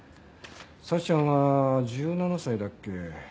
沙智ちゃんは１７歳だっけ？